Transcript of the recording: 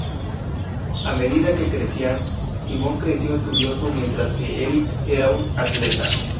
A medida que crecían, Simon creció estudioso mientras que Eric era un atleta.